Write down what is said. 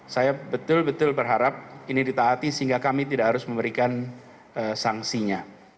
saya betul betul berharap ini ditaati sehingga kami tidak harus memberikan sanksinya